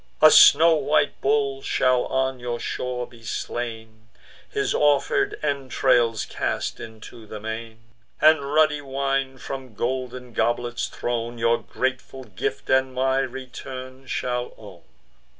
A snow white bull shall on your shore be slain; His offer'd entrails cast into the main, And ruddy wine, from golden goblets thrown, Your grateful gift and my return shall own."